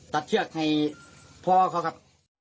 เชือกให้พ่อเขาครับ